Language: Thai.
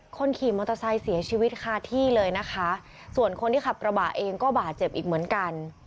คนขี่มอเตอร์ไซค์เสียชีวิตคาที่เลยนะคะส่วนคนที่ขับกระบะเองก็บาดเจ็บอีกเหมือนกัน